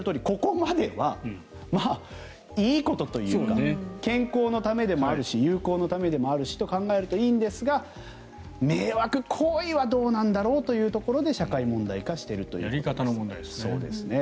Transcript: ここまでは、いいことというか健康のためでもあるし友好のためでもあるしと考えるといいんですが、迷惑行為はどうなんだろうというところで社会問題化しているということです。